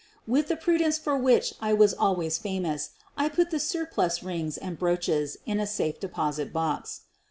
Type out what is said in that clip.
With the prudence for which I was always famous, I put the surplus rings and brooches in a safe deposit box.